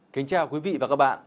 kính chào quý vị và các bạn